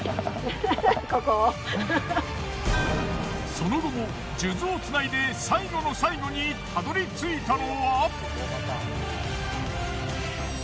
その後も数珠をつないで最後の最後に辿り着いたのは。